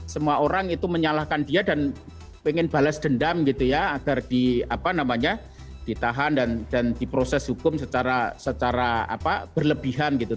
semua orang itu menyalahkan dia dan pengen balas dendam gitu ya agar di apa namanya ditahan dan dan diproses hukum secara secara apa berlebihan gitu